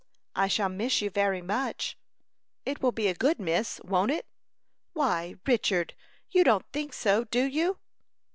"I shall miss you very much." "It will be a good miss won't it?" "Why, Richard! You don't think so do you?"